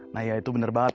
nah ya itu benar banget